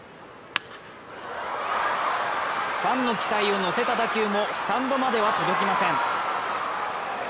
ファンの期待を乗せた打球もスタンドまでは届きません。